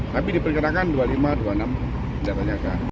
tapi diperkenalkan dua puluh lima dua puluh enam jatuh nyata